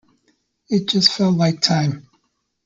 It just felt like time.